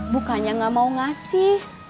bukannya gak mau ngasih